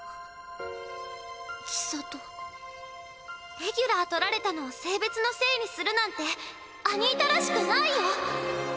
レギュラー取られたのを性別のせいにするなんてアニータらしくないよ。